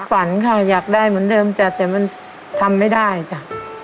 ฝันค่ะอยากได้เหมือนเดิมจ้ะแต่มันทำไม่ได้จ้ะ